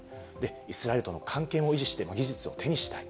イスラエルとの関係も維持して、技術を手にしたい。